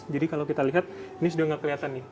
jadi kalau kita lihat ini sudah nggak kelihatan nih